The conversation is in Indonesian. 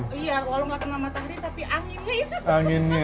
iya kalau gak kena matahari tapi anginnya itu